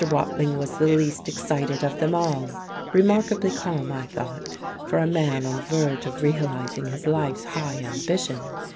Watling was the least excited of them all; remarkably calm, I thought, for a man on the verge of realizing his life's high ambition.